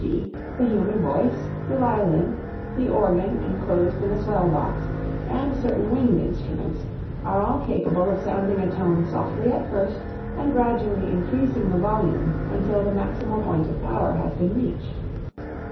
g._, the human voice, the violin, the organ enclosed in a swell box, and certain wind instruments, are all capable of sounding a tone softly at first and gradually increasing the volume until the maximal point of power has been reached.